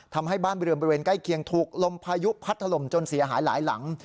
ทำให้บ้านบริเวณใกล้เคียงถูกลมพายุพัดถล่มจนเสียหายหลายหลัง